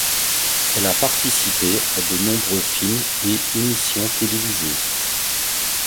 Elle a participé à de nombreux films et émissions télévisées.